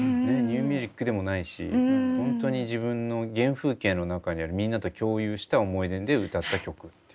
ニューミュージックでもないしホントに自分の原風景の中にあるみんなと共有した思い出で歌った曲。